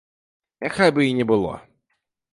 Няхай бы і не было!